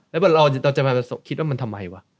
แล้วเราจะมาคิดว่ามันทำไมวะ